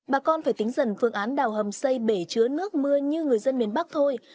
bà con phải tính dần phương án đào hầm xây bể chứa nước mưa như người dân miền bắc thôi